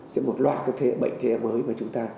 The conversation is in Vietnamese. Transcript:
sẽ một loạt các bệnh thế hệ mới mà chúng ta